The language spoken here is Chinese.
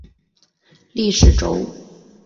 历史轴。